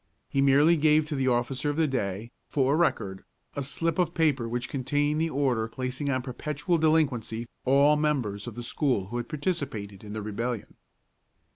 He merely gave to the officer of the day, for record, a slip of paper which contained the order placing on perpetual delinquency all members of the school who had participated in the rebellion.